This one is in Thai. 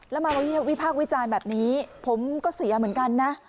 แล้วมาวิพากษ์วิจารณ์แบบนี้ผมก็เสียเหมือนกันนะ